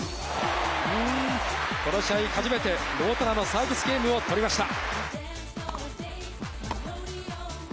この試合初めてノボトナのサービスゲームを取りました。